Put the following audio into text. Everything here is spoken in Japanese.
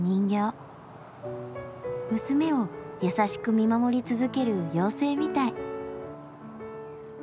娘を優しく見守り続ける妖精みたい。